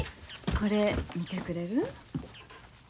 これ見てくれる？